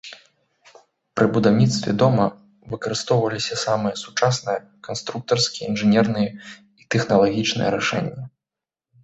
Пры будаўніцтве дома выкарыстоўваліся самыя сучасныя канструктарскія, інжынерныя і тэхналагічныя рашэнні.